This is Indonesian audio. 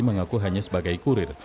mengaku hanya sebagai kurir